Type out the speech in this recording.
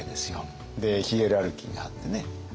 でヒエラルキーがあってね。